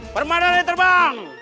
bermain aja ya terbang